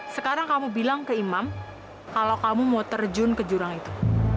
sekarang kamu bilang ke imam kalau kamu mau terjun ke jurang itu